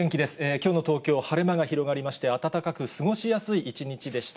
きょうの東京、晴れ間が広がりまして、暖かく過ごしやすい一日でした。